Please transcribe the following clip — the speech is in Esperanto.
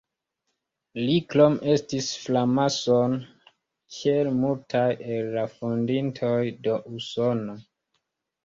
Li krome estis framasono, kiel multaj el la fondintoj de Usono.